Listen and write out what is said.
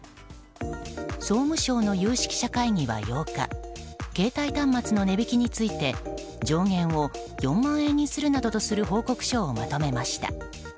総務省の有識者会議は８日携帯端末の値引きについて上限を４万円にするなどとする報告書をまとめました。